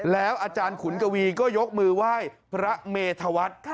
แล้วอาจารย์ขุนกวีก็ยกมือไหว้พระเมธวัฒน์